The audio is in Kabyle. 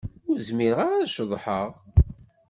Ur zmireɣ ara ad ceḍḥeɣ.